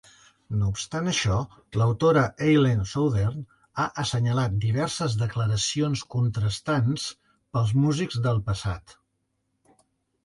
No obstant això, l'autora Eileen Southern ha assenyalat diverses declaracions contrastants pels músics del passat.